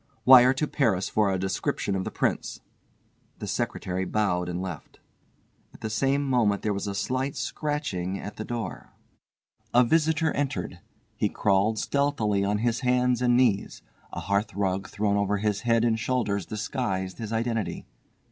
"Wire to Paris for a description of the Prince." The secretary bowed and left. At the same moment there was slight scratching at the door. A visitor entered. He crawled stealthily on his hands and knees. A hearthrug thrown over his head and shoulders disguised his identity.